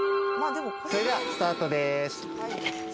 それではスタートです。